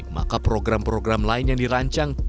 maka program program lain yang dirancang